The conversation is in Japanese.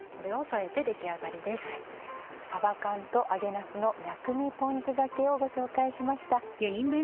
「さば缶と揚げなすの薬味ポン酢がけ」をご紹介しました。